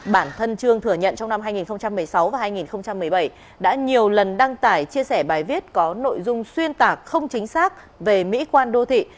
bản thân trương thừa nhận trong năm hai nghìn một mươi sáu và hai nghìn một mươi bảy đã nhiều lần đăng tải chia sẻ bài viết có nội dung xuyên tạc không chính xác về mỹ quan đô thị